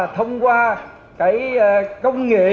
thông qua công nghệ